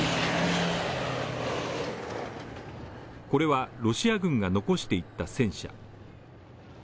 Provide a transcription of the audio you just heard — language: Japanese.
これはロシア軍が残していった戦車。